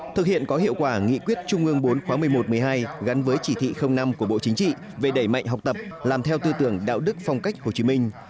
thực hiện có hiệu quả nghị quyết trung ương bốn khóa một mươi một một mươi hai gắn với chỉ thị năm của bộ chính trị về đẩy mạnh học tập làm theo tư tưởng đạo đức phong cách hồ chí minh